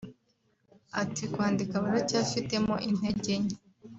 Ati “Kwandika baracyafitemo intege nke